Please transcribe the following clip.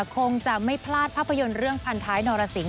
คงจะไม่พลาดภาพยนตร์เรื่องพันท้ายนรสิงห